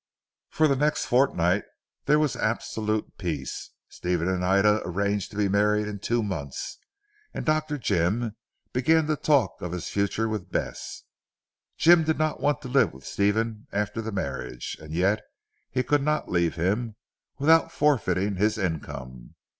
For the next fortnight there was absolute peace. Stephen and Ida arranged to be married in two months, and Dr. Jim began to talk of his future with Bess. Jim did not want to live with Stephen after the marriage, and yet he could not leave him, without forfeiting his income.